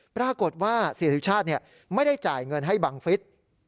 ปรากฏว่าเสียสุชาติไม่ได้จ่ายเงินให้บังฟิศ